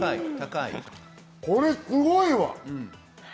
これすごいわ。